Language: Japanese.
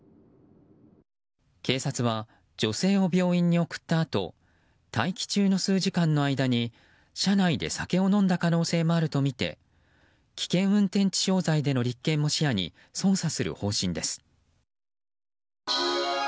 警察は、女性を病院に送ったあと待機中の数時間の間に車内で酒を飲んだ可能性もあるとみて危険運転致傷罪での立件も視野に捜査する方針です。